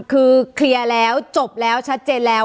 คือเคลียร์แล้วจบแล้วชัดเจนแล้ว